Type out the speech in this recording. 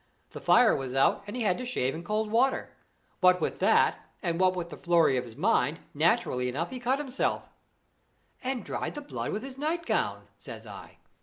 The fire was out, and he had to shave in cold water. What with that, and what with the flurry of his mind, naturally enough he cut himself " "And dried the blood with his nightgown?" says I.